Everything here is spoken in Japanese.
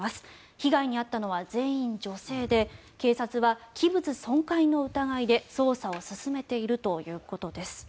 被害に遭ったのは全員女性で警察は器物損壊の疑いで捜査を進めているということです。